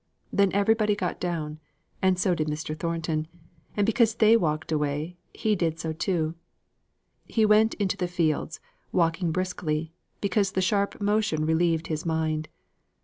Then everybody got down; and so did Mr. Thornton, and because they walked away he did so too. He went into the fields, walking briskly, because the sharp motion relieved his mind.